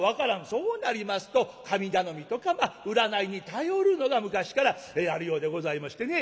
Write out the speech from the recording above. そうなりますと神頼みとか占いに頼るのが昔からあるようでございましてね。